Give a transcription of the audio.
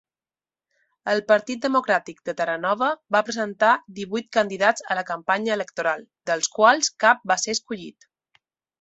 El Partit Democràtic de Terranova va presentar divuit candidats a la campanya electoral, dels quals cap va ser escollit.